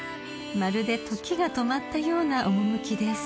［まるで時が止まったような趣です］